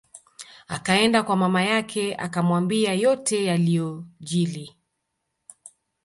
Akaenda kwa mama yake akamwambia yote yaliyojili